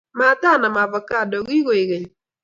matanam ovakado kigaoek keny